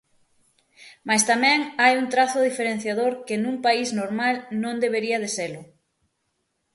Mais tamén hai un trazo diferenciador que nun país normal non debería de selo.